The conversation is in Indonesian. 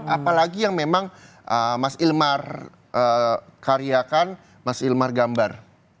apalagi yang memang mas ilmar karyakan mas ilmar gambar